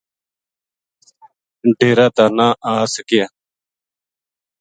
ڈیرا تا نہ آ سکیا